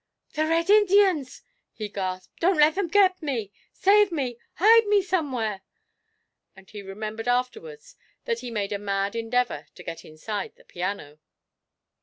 'The Red Indians!' he gasped. 'Don't let them get me! Save me hide me somewhere!' and he remembered afterwards that he made a mad endeavour to get inside the piano.